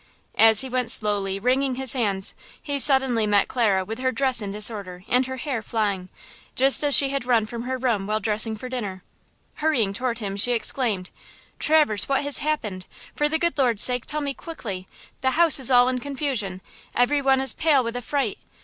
As he went slowly, wringing his hands, he suddenly met Clara with her dress in disorder and her hair flying, just as she had run from her room while dressing for dinner. Hurrying toward him, she exclaimed: "Traverse, what has happened? For the good Lord's sake, tell me quickly–the house is all in confusion. Every one is pale with affright!